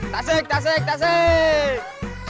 tasik tasik tasik